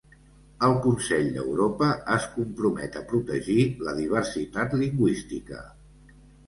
El Consell d'Europa es compromet a protegir la diversitat lingüística.